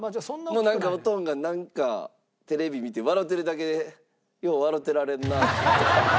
おとんがなんかテレビ見て笑てるだけで「よう笑てられるな」って。